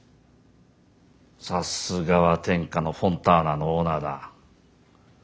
さすがは天下のフォンターナのオーナーだ。